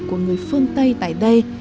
của người phương tây tại đây